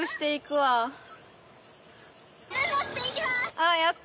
あっやった！